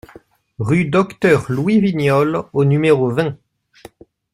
Rue Docteur Louis Vignolles au numéro vingt